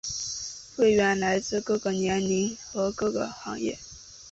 会员来自各个年龄和各行各业。